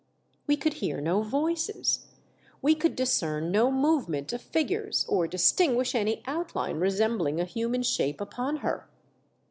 We could hear no voices. We could discern no movement of figures or distinguish any out line resembling a human shape upon her.